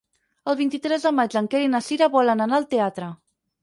El vint-i-tres de maig en Quer i na Cira volen anar al teatre.